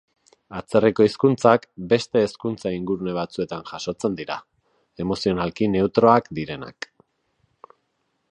Atzerriko hizkuntzak, beste hezkuntza-ingurune batzuetan jasotzen dira, emozionalki neutroak direnak.